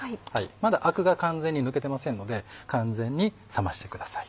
まだアクが完全に抜けてませんので完全に冷ましてください。